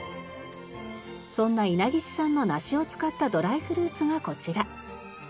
そんな稲城市産の梨を使ったドライフルーツがこちら。